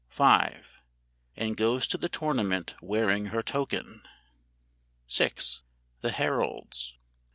] V. "AND GOES TO THE TOURNAMENT WEARING HER TOKEN." VI. "THE HERALDS."